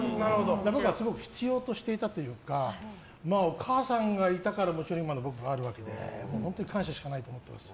僕はすごく必要としていたというかお母さんがいたからもちろん今の僕がいるわけで本当に感謝しかないと思ってます。